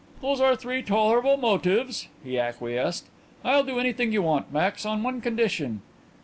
"Those are three tolerable motives," he acquiesced. "I'll do anything you want, Max, on one condition."